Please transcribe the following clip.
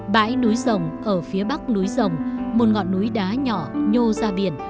bãi núi rồng ở phía bắc núi rồng một ngọn núi đá nhỏ nhô ra biển